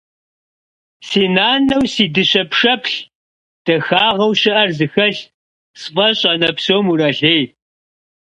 Си нанэу си дыщэ пшэплъ, дахагъэу щыӏэр зыхэлъ, сфӏощӏ анэ псом уралей.